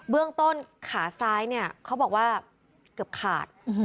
เรื่องต้นขาซ้ายเนี่ยเขาบอกว่าเกือบขาด